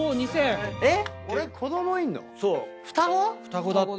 えっ⁉双子だって。